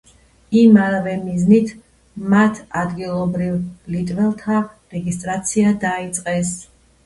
იმავე მიზნით, მათ ადგილობრივ ლიტველთა რეგისტრაცია დაიწყეს.